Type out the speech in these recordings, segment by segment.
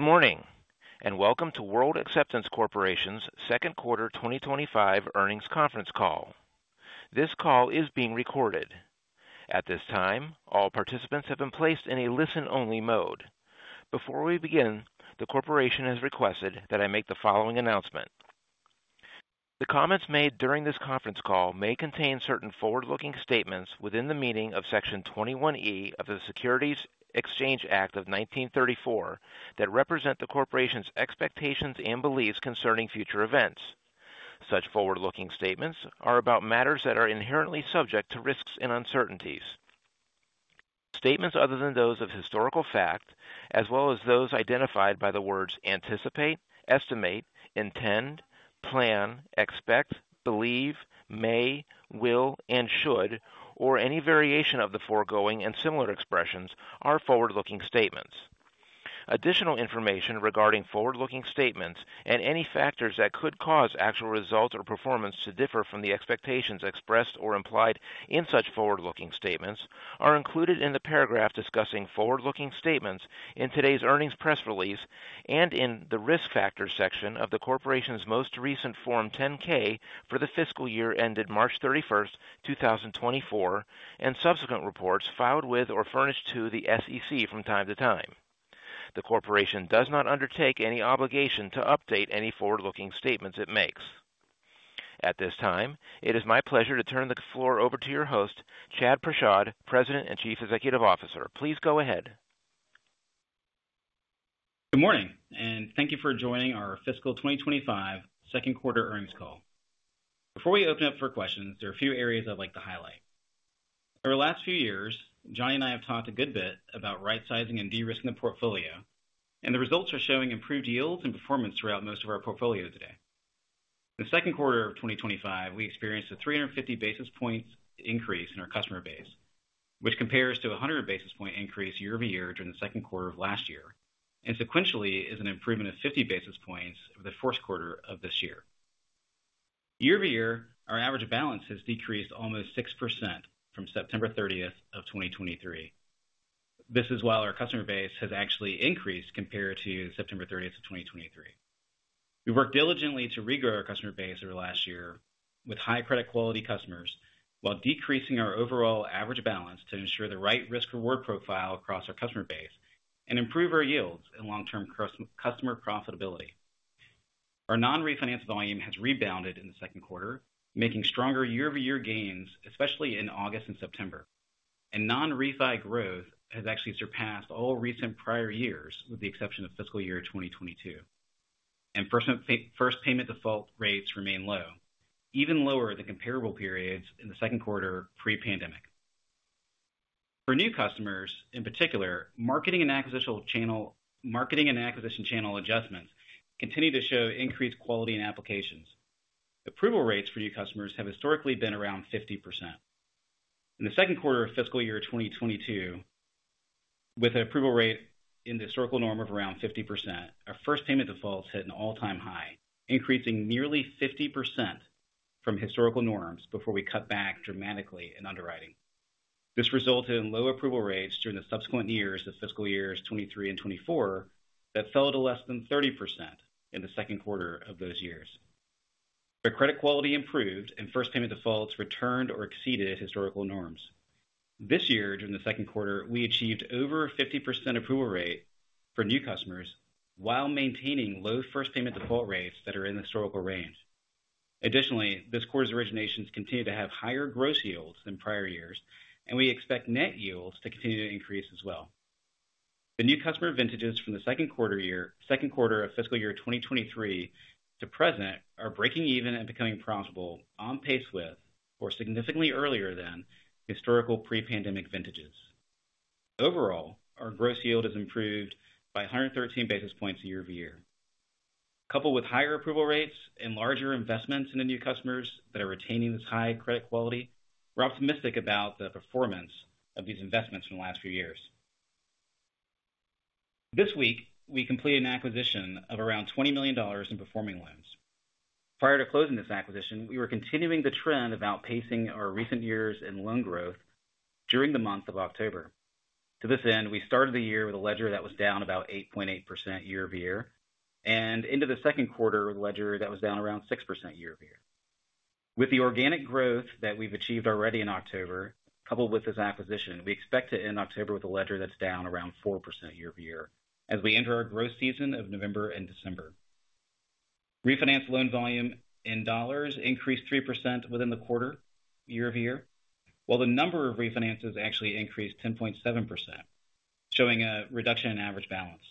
Good morning, and welcome to World Acceptance Corporation's second quarter 2025 earnings conference call. This call is being recorded. At this time, all participants have been placed in a listen-only mode. Before we begin, the corporation has requested that I make the following announcement. The comments made during this conference call may contain certain forward-looking statements within the meaning of Section 21E of the Securities Exchange Act of 1934 that represent the corporation's expectations and beliefs concerning future events. Such forward-looking statements are about matters that are inherently subject to risks and uncertainties. Statements other than those of historical fact, as well as those identified by the words: anticipate, estimate, intend, plan, expect, believe, may, will, and should, or any variation of the foregoing and similar expressions, are forward-looking statements. Additional information regarding forward-looking statements and any factors that could cause actual results or performance to differ from the expectations expressed or implied in such forward-looking statements are included in the paragraph discussing forward-looking statements in today's earnings press release and in the Risk Factors section of the corporation's most recent Form 10-K for the fiscal year ended March 31st, 2024, and subsequent reports filed with or furnished to the SEC from time to time. The corporation does not undertake any obligation to update any forward-looking statements it makes. At this time, it is my pleasure to turn the floor over to your host, Chad Prashad, President and Chief Executive Officer. Please go ahead. Good morning, and thank you for joining our fiscal 2025 second quarter earnings call. Before we open up for questions, there are a few areas I'd like to highlight. Over the last few years, Johnny and I have talked a good bit about rightsizing and de-risking the portfolio, and the results are showing improved yields and performance throughout most of our portfolio today. In the second quarter of 2025, we experienced a 350 basis points increase in our customer base, which compares to 100 basis points increase year-over-year during the second quarter of last year, and sequentially is an improvement of 50 basis points over the first quarter of this year. year-over-year, our average balance has decreased almost 6% from September 30th of 2023. This is while our customer base has actually increased compared to September thirtieth of 2023. We worked diligently to regrow our customer base over the last year with high credit quality customers, while decreasing our overall average balance to ensure the right risk-reward profile across our customer base and improve our yields and long-term customer profitability. Our non-refinance volume has rebounded in the second quarter, making stronger year-over-year gains, especially in August and September. Non-refi growth has actually surpassed all recent prior years, with the exception of fiscal year 2022. First payment default rates remain low, even lower than comparable periods in the second quarter pre-pandemic. For new customers, in particular, marketing and acquisition channel adjustments continue to show increased quality in applications. Approval rates for new customers have historically been around 50%. In the second quarter of fiscal year 2022, with an approval rate in the historical norm of around 50%, our first payment defaults hit an all-time high, increasing nearly 50% from historical norms before we cut back dramatically in underwriting. This resulted in low approval rates during the subsequent years of fiscal years 2023 and 2024, that fell to less than 30% in the second quarter of those years. The credit quality improved and first payment defaults returned or exceeded historical norms. This year, during the second quarter, we achieved over 50% approval rate for new customers while maintaining low first payment default rates that are in the historical range. Additionally, this quarter's originations continue to have higher gross yields than prior years, and we expect net yields to continue to increase as well. The new customer vintages from the second quarter of fiscal year 2023 to present are breaking even and becoming profitable on pace with or significantly earlier than historical pre-pandemic vintages. Overall, our gross yield has improved by 113 basis points year-over-year. Coupled with higher approval rates and larger investments in the new customers that are retaining this high credit quality, we're optimistic about the performance of these investments in the last few years. This week, we completed an acquisition of around $20 million in performing loans. Prior to closing this acquisition, we were continuing the trend of outpacing our recent years in loan growth during the month of October. To this end, we started the year with a ledger that was down about 8.8% year-over-year, and into the second quarter, ledger that was down around 6% year-over-year. With the organic growth that we've achieved already in October, coupled with this acquisition, we expect to end October with a ledger that's down around 4% year-over-year as we enter our growth season of November and December. Refinance loan volume in dollars increased 3% within the quarter year-over-year, while the number of refinances actually increased 10.7%, showing a reduction in average balance.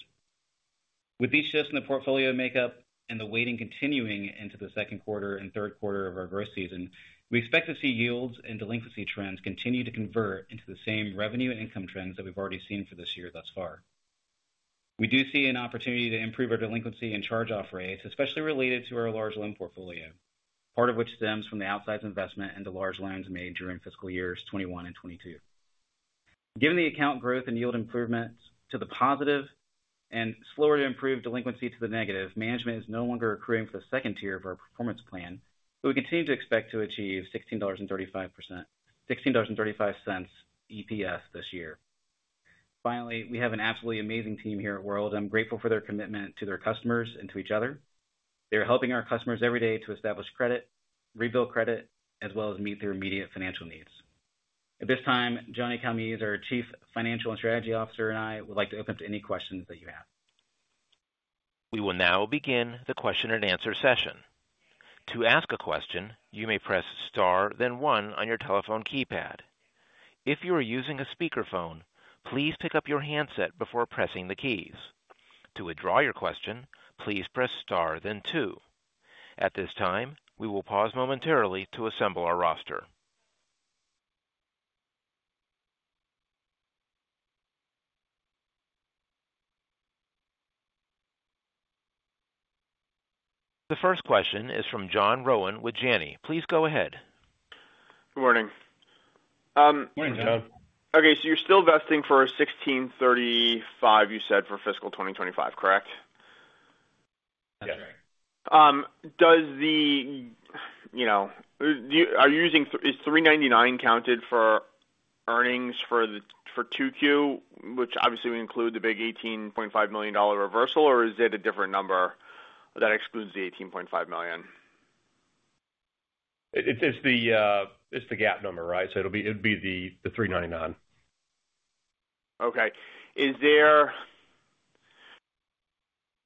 With these shifts in the portfolio makeup and the weighting continuing into the second quarter and third quarter of our growth season, we expect to see yields and delinquency trends continue to convert into the same revenue and income trends that we've already seen for this year thus far. We do see an opportunity to improve our delinquency and charge-off rates, especially related to our large loan portfolio, part of which stems from the outsized investment into large loans made during fiscal years 2021 and 2022. Given the account growth and yield improvements to the positive and slower to improve delinquency to the negative, management is no longer accruing for the second tier of our performance plan, but we continue to expect to achieve $16.35 EPS this year. Finally, we have an absolutely amazing team here at World. I'm grateful for their commitment to their customers and to each other. They're helping our customers every day to establish credit, rebuild credit, as well as meet their immediate financial needs. At this time, Johnny Calmes our Chief Financial and Strategy Officer, and I, would like to open up to any questions that you have. We will now begin the question and answer session. To ask a question, you may press Star, then one on your telephone keypad. If you are using a speakerphone, please pick up your handset before pressing the keys. To withdraw your question, please press Star, then two. At this time, we will pause momentarily to assemble our roster. The first question is from John Rowan with Janney. Please go ahead. Good morning. Morning, John. Okay, so you're still vesting for 16.35, you said, for fiscal 2025, correct? That's right. You know, is 3.99 counted for earnings for the 2Q, which obviously would include the big $18.5 million reversal, or is it a different number that excludes the $18.5 million? It's the GAAP number, right? So it'll be the 3.99. Okay. Is there?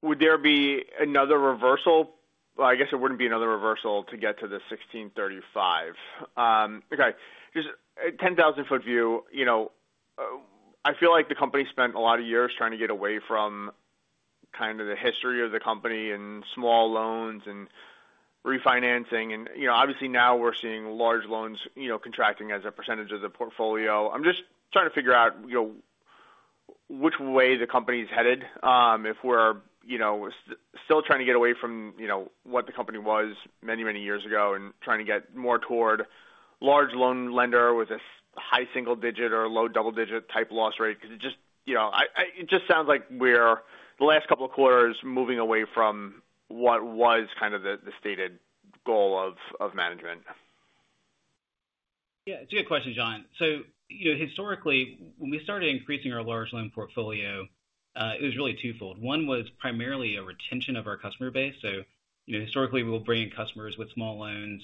Would there be another reversal? Well, I guess it wouldn't be another reversal to get to the 16.35. Okay. Just a 10,000-foot view, you know, I feel like the company spent a lot of years trying to get away from kind of the history of the company and small loans and refinancing and, you know, obviously now we're seeing large loans, you know, contracting as a percentage of the portfolio. I'm just trying to figure out, you know, which way the company is headed. If we're, you know, still trying to get away from, you know, what the company was many, many years ago and trying to get more toward large loan lender with a high single digit or a low double-digit type loss rate. Because it just, you know, it just sounds like we're, the last couple of quarters, moving away from what was kind of the stated goal of management. Yeah, it's a good question, John. So, you know, historically, when we started increasing our large loan portfolio, it was really twofold. One was primarily a retention of our customer base. So historically, we'll bring in customers with small loans,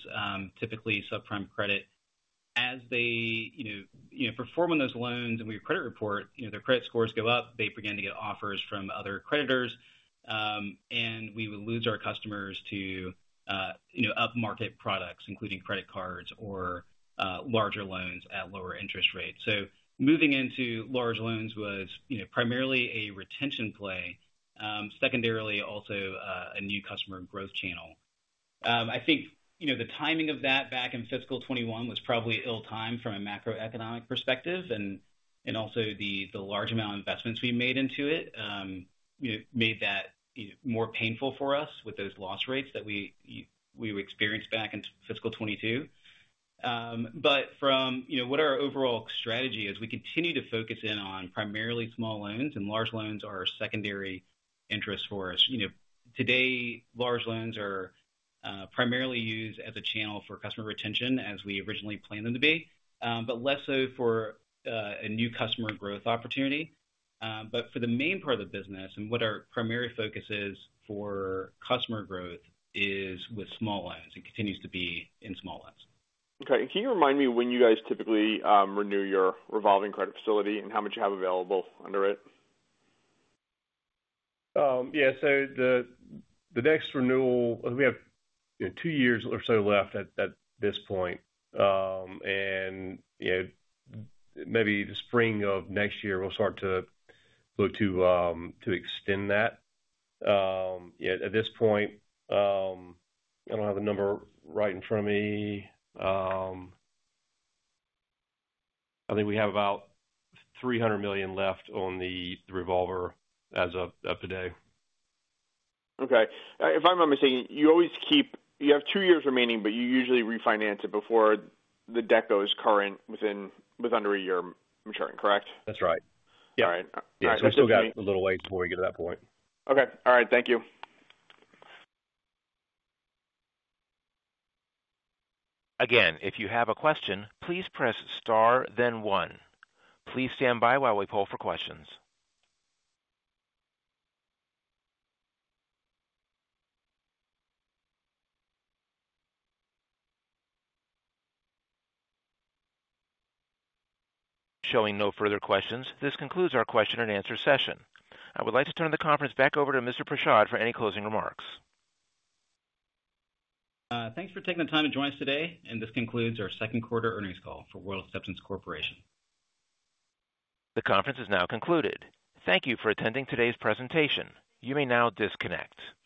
typically subprime credit. As they, you know, you know, perform on those loans and we credit report, you know, their credit scores go up, they begin to get offers from other creditors, and we would lose our customers to, you know, upmarket products, including credit cards or, larger loans at lower interest rates. So moving into large loans was, you know, primarily a retention play, secondarily, also, a new customer growth channel. I think, you know, the timing of that back in fiscal 2021 was probably ill-timed from a macroeconomic perspective, and also the large amount of investments we made into it, you know, made that, you know, more painful for us with those loss rates that we experienced back in fiscal 2022. But from, you know, what our overall strategy is, we continue to focus in on primarily small loans, and large loans are a secondary interest for us. You know, today, large loans are primarily used as a channel for customer retention, as we originally planned them to be, but less so for a new customer growth opportunity. But for the main part of the business and what our primary focus is for customer growth is with small loans, and continues to be in small loans. Okay. Can you remind me when you guys typically renew your revolving credit facility and how much you have available under it? Yeah. So the next renewal, we have two years or so left at this point. And, you know, maybe the spring of next year, we'll start to look to extend that. Yeah, at this point, I don't have a number right in front of me. I think we have about $300 million left on the revolver as of today. Okay. If I'm understanding, you always keep, you have two years remaining, but you usually refinance it before the debt goes is current within under a year maturing, correct? That's right. All right. Yeah, so we still got a little way before we get to that point. Okay. All right. Thank you. Again, if you have a question, please press star, then one. Please stand by while we poll for questions. Showing no further questions, this concludes our question and answer session. I would like to turn the conference back over to Mr. Prashad for any closing remarks. Thanks for taking the time to join us today, and this concludes our second quarter earnings call for World Acceptance Corporation. The conference is now concluded. Thank you for attending today's presentation. You may now disconnect.